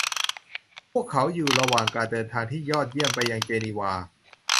พวกเขาอยู่ระหว่างการเดินทางที่ยอดเยี่ยมไปยังเจนีวา